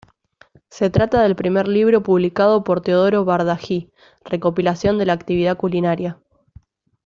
Se trata del primer libro publicado por Teodoro Bardají, recopilación de la actividad culinaria.